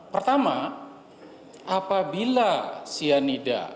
pertama apabila cyanida